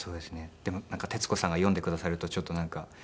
でも徹子さんが読んでくださるとちょっとなんか。